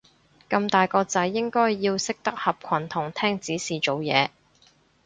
咁大個仔應該要識得合群同聽指示做嘢